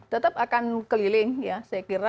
tetap akan keliling ya saya kira